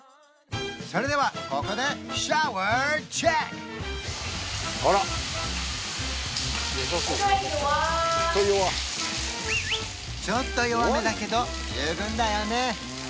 それではここであらっちょっと弱めだけど十分だよね